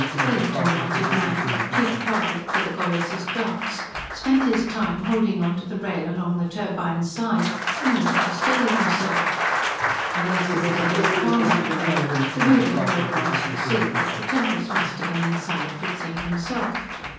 He, tormented man, chief target for the goddess's darts, spent his time holding on to the rail along the turbine's side in order to steady himself; and as there was a dead calm that day the reader will at once perceive that the tempest must have been inside Fritzing himself.